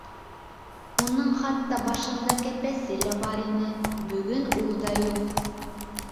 Уның хатта башында кәпәсе лә бар ине, бөгөн ул да юҡ.